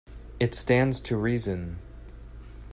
It stands to reason.